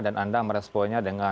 dan anda meresponnya dengan